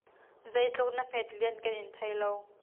Zeitluk na hmetlianh kan in thei lo.